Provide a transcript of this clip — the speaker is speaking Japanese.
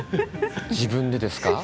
自分でですか。